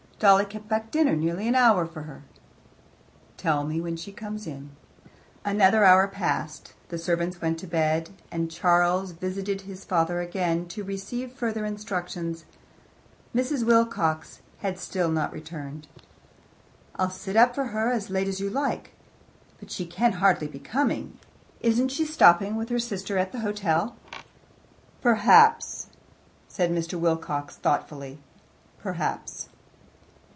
"Dolly kept back dinner nearly an hour for her." "Tell me when she comes in ." Another hour passed. The servants went to bed, and Charles visited his father again, to receive further instructions. Mrs. Wilcox had still not returned. "I'll sit up for her as late as you like, but she can hardly be coming. Isn't she stopping with her sister at the hotel?" "Perhaps," said Mr. Wilcox thoughtfully "perhaps."